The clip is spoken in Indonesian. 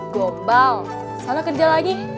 gombal salah kerja lagi